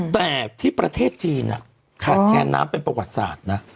แต่ที่ประเทศจีนขาดแคลนน้ำเป็นประวัติศาสตร์นะ